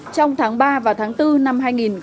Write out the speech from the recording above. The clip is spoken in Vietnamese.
trong tháng ba và tháng bốn năm hai nghìn hai mươi